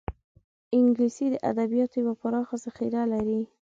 انګلیسي د ادبیاتو یوه پراخه ذخیره لري